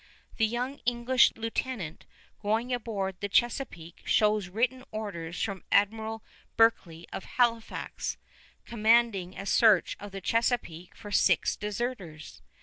The young English lieutenant going aboard the Chesapeake shows written orders from Admiral Berkeley of Halifax, commanding a search of the Chesapeake for six deserters.